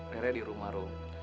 rere di rumah rom